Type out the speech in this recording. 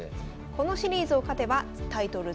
このシリーズを勝てばタイトル